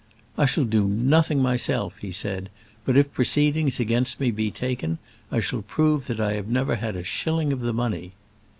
"I shall do nothing myself," he said; "but if proceedings against me be taken, I shall prove that I have never had a shilling of the money."